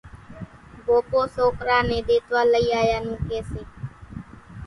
ڀوپو سوڪرا نين ۮيتوا لئي آيا نون ڪي سي